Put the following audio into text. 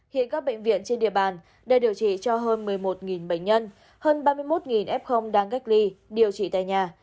hiện các bệnh viện trên địa bàn đang điều trị cho hơn một mươi một bệnh nhân hơn ba mươi một f đang cách ly điều trị tại nhà